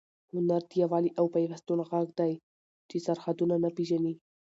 هنر د یووالي او پیوستون غږ دی چې سرحدونه نه پېژني.